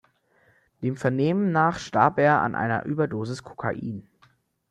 Dem Vernehmen nach starb er an einer Überdosis Kokain.